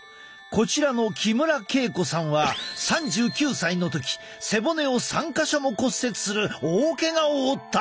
こちらの木村恵子さんは３９歳の時背骨を３か所も骨折する大けがを負った。